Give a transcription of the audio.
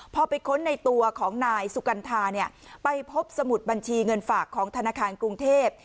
พอไปค้นในตัวของนายสุกัณฑาเนี่ยไปพบสมุดบัญชีเงินฝากของธนาคารกรุงเทพ